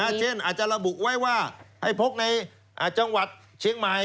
จริงอาจารย์บุคไว้ว่าให้พกในจังหวัดเชียงใหม่